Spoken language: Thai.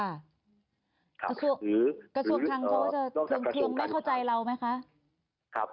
กระทรวงคลังเขาจะไม่เข้าใจเราไหมคะ